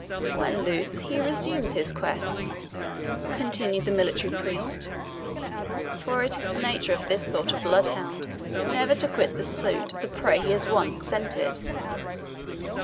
"When loose, he resumes his quest," continued the military priest; "for it is the nature of this sort of blood hound never to quit the suit of the prey he has once scented."